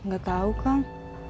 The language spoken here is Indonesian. gak tau kang